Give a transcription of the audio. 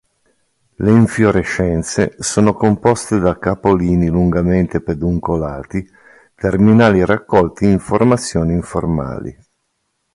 Le infiorescenze sono composte da capolini lungamente peduncolati terminali raccolti in formazioni informali.